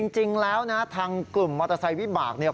จริงแล้วนะทางกลุ่มมอเตอร์ไซค์วิบากเนี่ย